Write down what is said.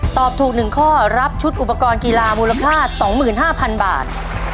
ตอบถูก๑ข้อรับชุดอุปกรณ์กีฬามูลค่า๒๕๐๐๐บาท